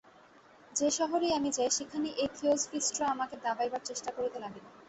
যে-শহরেই আমি যাই, সেখানেই এই থিওজফিস্টরা আমাকে দাবাইবার চেষ্টা করিতে লাগিল।